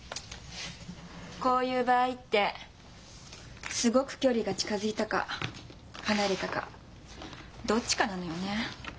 こういう場合ってすごく距離が近づいたか離れたかどっちかなのよね。